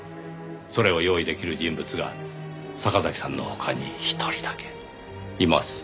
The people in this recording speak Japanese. それを用意できる人物が坂崎さんの他に１人だけいます。